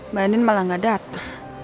mbak anin malah gak datang